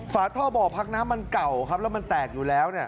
ฝาท่อบ่อพักน้ำมันเก่าครับแล้วมันแตกอยู่แล้ว